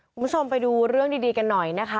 คุณผู้ชมไปดูเรื่องดีกันหน่อยนะคะ